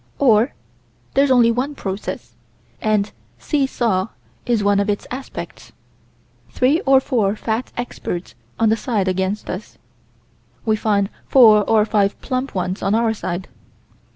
Or there's only one process, and "see saw" is one of its aspects. Three or four fat experts on the side against us. We find four or five plump ones on our side.